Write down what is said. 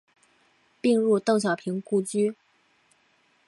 并入邓小平故居。